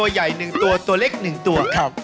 ใหญ่๑ตัวตัวเล็ก๑ตัว